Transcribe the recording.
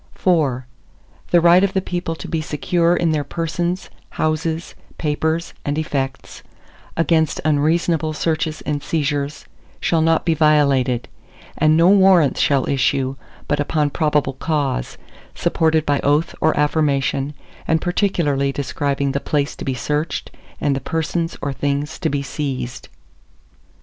ARTICLE IV The right of the people to be secure in their persons, houses, papers, and effects, against unreasonable searches and seizures, shall not be violated, and no warrants shall issue, but upon probable cause, supported by oath or affirmation, and particularly describing the place to be searched, and the persons or things to be seized.